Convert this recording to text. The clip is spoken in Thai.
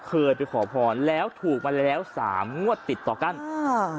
เคยไปขอพรแล้วถูกมาแล้วสามงวดติดต่อกันอ่า